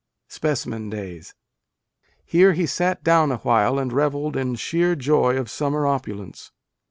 " (Specimen Days.) Here he sat down awhile and revelled in sheer joy of summer opulence.